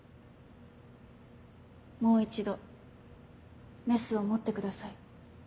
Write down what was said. もう一度メスを持ってください。